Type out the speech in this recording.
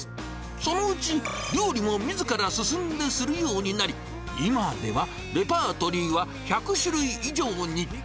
そのうち、料理もみずから進んでするようになり、今ではレパートリーは１００種類以上に。